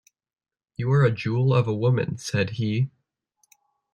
"You are a jewel of a woman," said he.